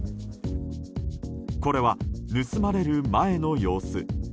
これは盗まれる前の様子。